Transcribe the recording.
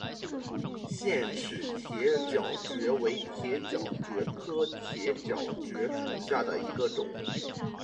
腺齿铁角蕨为铁角蕨科铁角蕨属下的一个种。